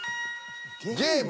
「ゲーム」。